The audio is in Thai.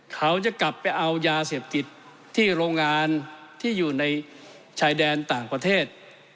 เขาจะกลับไปเอายาเสพติดที่โรงงานที่อยู่ในชายแดนต่างประเทศ